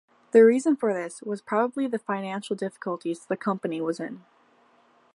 The reason for this was probably the financial difficulties the company was in.